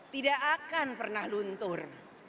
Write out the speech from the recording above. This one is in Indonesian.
tidak akan pernah luntur